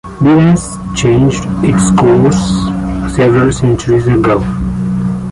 Beas changed its course several centuries ago.